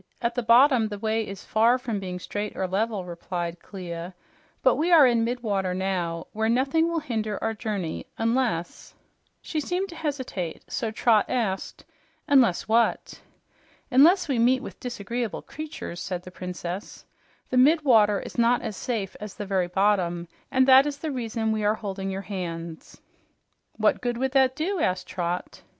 At the bottom, the way is far from being straight or level," replied Clia. "But we are in mid water now, where nothing will hinder our journey, unless " She seemed to hesitate, so Trot asked, "Unless what?" "Unless we meet with disagreeable creatures," said the Princess. "The mid water is not as safe as the very bottom, and that is the reason we are holding your hands." "What good would that do?" asked Trot.